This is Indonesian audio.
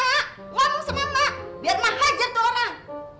ngomong sama mak biar mak hajar tuh orang